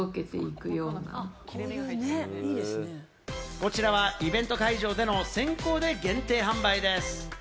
こちらはイベント会場での先行で限定販売です。